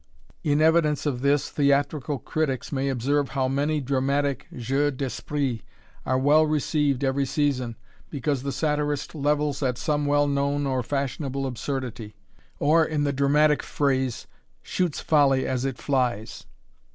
In evidence of this, theatrical critics may observe how many dramatic jeux d'esprit are well received every season, because the satirist levels at some well known or fashionable absurdity; or, in the dramatic phrase, "shoots folly as it flies."